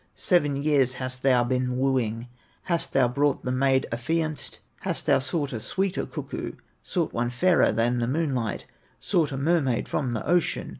Seven years hast thou been wooing, Hast thou brought the maid affianced, Hast thou sought a sweeter cuckoo, Sought one fairer than the moonlight, Sought a mermaid from the ocean?